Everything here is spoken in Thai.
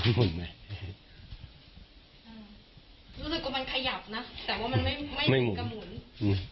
รู้สึกว่ามันขยับนะแต่ว่ามันไม่เหมือนกับหมุน